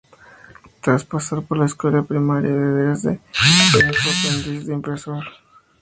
Tras pasar por la escuela primaria en Dresde, Ludwig fue aprendiz de impresor.